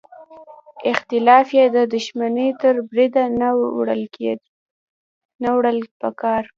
اختلاف یې د دوښمنۍ تر بریده نه وړل پکار.